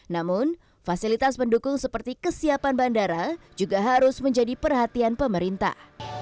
namun fasilitas pendukung seperti kesiapan bandara juga harus menjadi perhatian pemerintah